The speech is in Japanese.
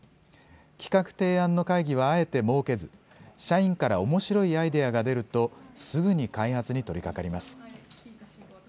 企画提案の会議はあえて設けず、社員からおもしろいアイデアが出ると、すぐに開発に取りかかります。